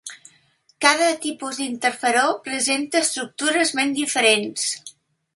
Cada tipus d'interferó presenta estructures ben diferents.